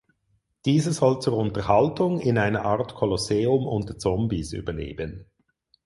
Dieser soll zur Unterhaltung in einer Art Kolosseum unter Zombies überleben.